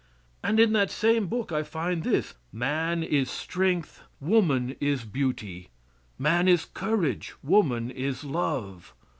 And in that same book I find this "Man is strength, woman is beauty; man is courage, woman is love.